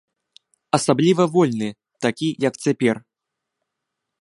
Асабліва вольны, такі, як цяпер.